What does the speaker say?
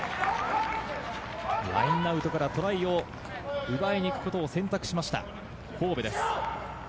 ラインアウトからトライを奪いに行くことを選択しました、神戸です。